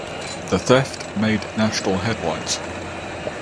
The theft made national headlines.